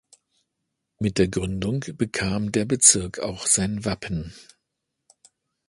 Mit der Gründung bekam der Bezirk auch sein Wappen.